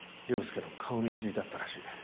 ⁉凌介の顔見知りだったらしい。